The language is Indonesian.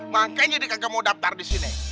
makanya dia gak mau daftar disini